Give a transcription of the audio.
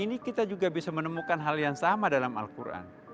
ini kita juga bisa menemukan hal yang sama dalam al quran